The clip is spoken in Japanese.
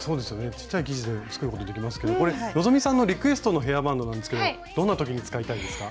ちっちゃい生地で作ることできますけどこれ希さんのリクエストのヘアバンドなんですけどどんなときに使いたいですか？